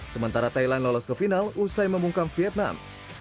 sementara thailand lolos ke final usai memungkam vietnam